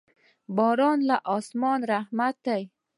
باران له اسمانه رحمت دی.